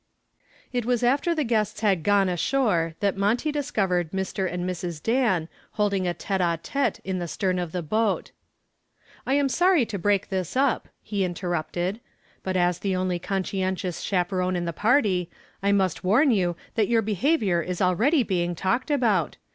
It was after the guests had gone ashore that Monty discovered Mr. and Mrs. Dan holding a tete a tete in the stern of the boat. "I am sorry to break this up," he interrupted, "but as the only conscientious chaperon in the party, I must warn you that your behavior is already being talked about.